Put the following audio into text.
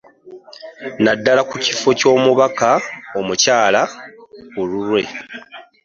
Naddala ku kifo ky'omubaka omukyala ku lulwe